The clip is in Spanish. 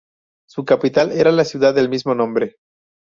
Su capital era la ciudad del mismo nombre.